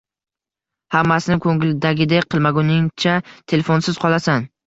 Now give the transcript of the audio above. hammasini ko‘ngildagidek qilmaguningcha telefonsiz qolasan.